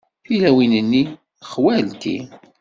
Tilawin-nni d xwalti.